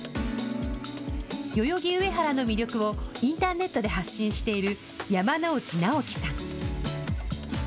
代々木上原の魅力をインターネットで発信している山内直己さん。